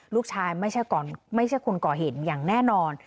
ไม่ใช่คนก่อเหตุอย่างแน่นอน